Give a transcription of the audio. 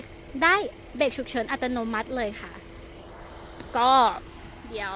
โอเคอย่าลืมนะคะทุกการขับต้องมีนะคะต้องข้าดก่อนนะคะ